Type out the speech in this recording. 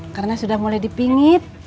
karena sudah mulai dipingit